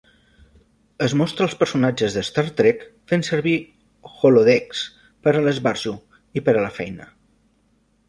Es mostra els personatges de "Star Trek" fent servir holodecks per a l'esbarjo i per a la feina.